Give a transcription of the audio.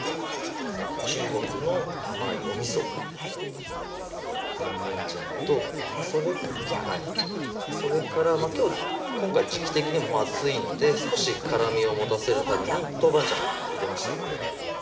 中国の甘いお味・甜麺醤と甜麺醤それから今回時期的にも暑いので少し辛みを持たせるために豆板醤入れました